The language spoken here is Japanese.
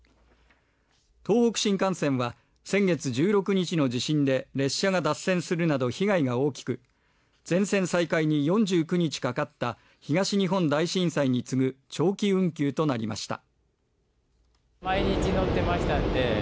東北新幹線は先月１６日の地震で列車が脱線するなど被害が大きく全線再開に４９日かかった東日本大震災に次ぐ長期運休となりました。